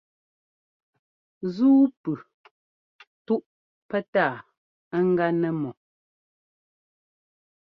Ńzúu pʉ túʼ pɛtáa ɛ́gá nɛ́ mɔ.